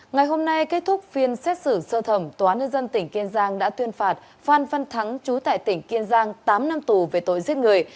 ngày hôm nay kết thúc phiên xét xử sơ thẩm tòa nước dân tỉnh kiên giang đã tuyên phạt phan văn thắng chú tại tỉnh kiên giang tám năm tù về tội giết người